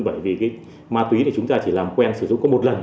bởi vì ma túy chúng ta chỉ làm quen sử dụng có một lần